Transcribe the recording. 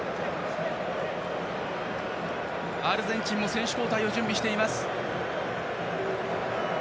アルゼンチンも選手交代を準備しています。